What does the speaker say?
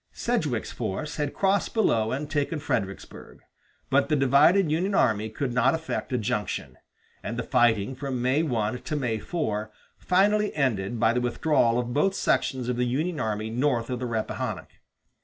Sedgwick's force had crossed below and taken Fredericksburg; but the divided Union army could not effect a junction; and the fighting from May 1 to May 4 finally ended by the withdrawal of both sections of the Union army north of the Rappahannock.